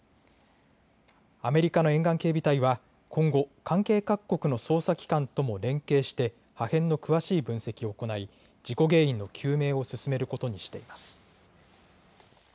アメリカの沿岸警備隊は今後、関係各国の捜査機関とも連携して破片の詳しい分析を行い事故原因の究明を進めることにしています。